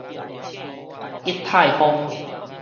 乙太坊